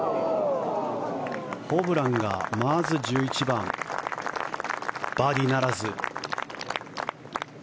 ホブランが、まず１１番バーディーならず。